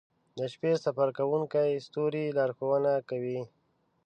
• د شپې سفر کوونکي ستوري لارښونه کوي.